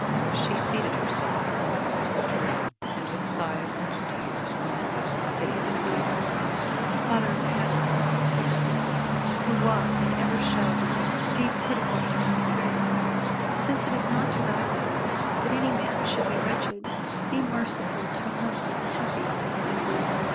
She seated herself on the roots of a tree, and with sighs and tears lamented her piteous case. "Father of Heaven," said the girl, "Who was and ever shall be, be pitiful to my prayer. Since it is not to Thy will that any man should be wretched, be merciful to a most unhappy maid.